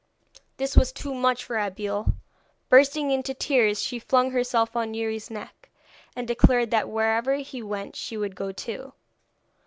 This was too much for Abeille. Bursting into tears, she flung herself on Youri's neck, and declared that wherever he went she would go too.